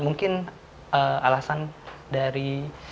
mungkin alasan dari